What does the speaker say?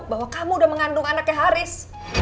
bahwa kamu udah mengandung anaknya haris